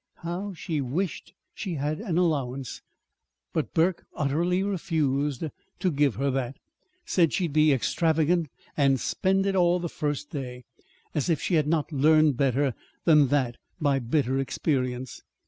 How she wished she had an allowance, though! But Burke utterly refused to give her that. Said she'd be extravagant and spend it all the first day. As if she had not learned better than that by bitter experience!